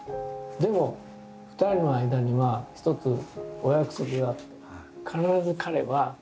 でも２人の間には一つお約束があって。